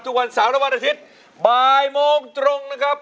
ทุกวันเสาร์และวันอาทิตย์บ่ายโมงตรงนะครับ